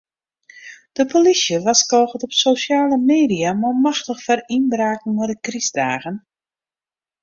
De polysje warskôget op sosjale media manmachtich foar ynbraken mei de krystdagen.